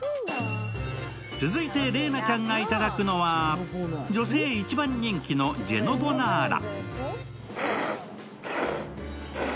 続いて麗菜ちゃんがいただくのは女性一番人気のジェノボナーラ。